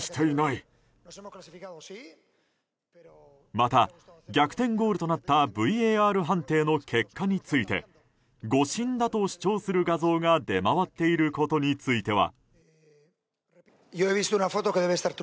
また、逆転ゴールとなったＶＡＲ判定の結果について誤審だと主張する画像が出回っていることについては。